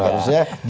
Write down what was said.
harusnya santai aja